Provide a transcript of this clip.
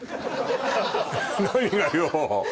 何がよ